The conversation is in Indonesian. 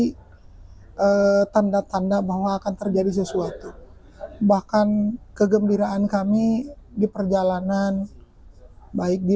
hai eh tanda tanda bahwa akan terjadi sesuatu bahkan kegembiraan kami di perjalanan baik di